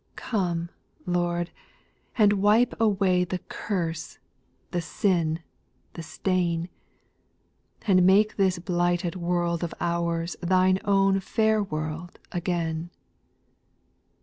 Come, Lord, and wipe away The curse, the sin, the stain. And make this blighted world of ours Thine own fair world again.